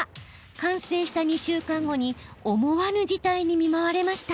完成した２週間後に思わぬ事態に見舞われました。